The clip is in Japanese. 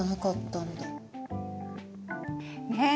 ねえ。